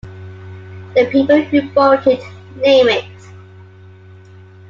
The people who bolt it, name it.